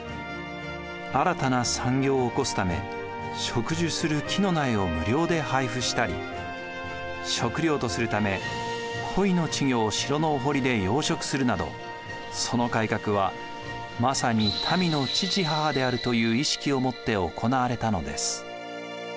新たな産業を興すため植樹する木の苗を無料で配布したり食料とするため鯉の稚魚を城のお堀で養殖するなどその改革はまさに民の父母であるという意識を持って行われたのです。